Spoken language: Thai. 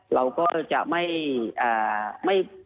เราก็จะไม่